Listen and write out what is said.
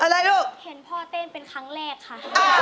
อะไรลูกเห็นพ่อเต้นเป็นครั้งแรกค่ะ